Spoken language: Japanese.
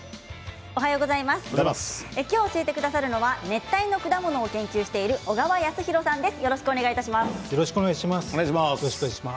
今日、教えてくださるのは熱帯の果物を研究している小川恭弘さんです。